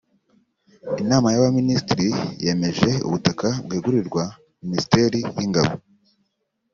Inama y’Abaminisitiri yemeje ubutaka bwegurirwa Minisiteri y’Ingabo